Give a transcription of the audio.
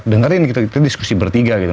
dengerin gitu itu diskusi bertiga gitu